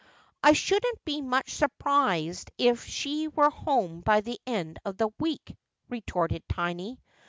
' I shouldn't be much surprised if she were home by the end of the week,' retorted Tiny.